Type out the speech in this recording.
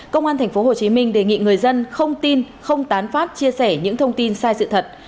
công an tp hcm đề nghị người dân không tin không tán phát chia sẻ những thông tin sai sự thật